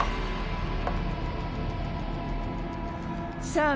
さあ